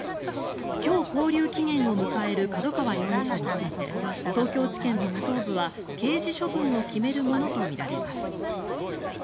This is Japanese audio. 今日、勾留期限を迎える角川容疑者について東京地検特捜部は刑事処分を決めるものとみられます。